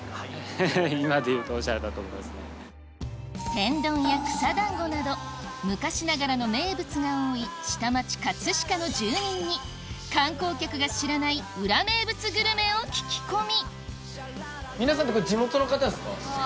天丼や草団子など昔ながらの名物が多い下町葛飾の住人に観光客が知らない裏名物グルメを聞き込み